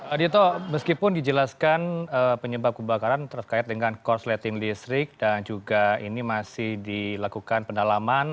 adito meskipun dijelaskan penyebab kebakaran terkait dengan korsleting listrik dan juga ini masih dilakukan pendalaman